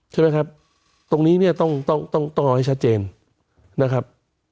ใช่ไหมครับตรงนี้เนี่ยต้องต้องเอาให้ชัดเจนนะครับ